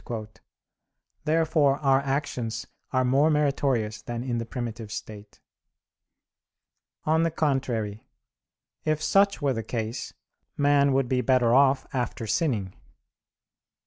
Therefore our actions are more meritorious than in the primitive state. On the contrary, if such were the case, man would be better off after sinning.